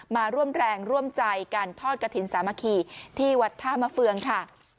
มาร่วมแรงร่วมใจการทอดกระถิ่นสามัคคีที่วัดท่ามะเฟืองค่ะ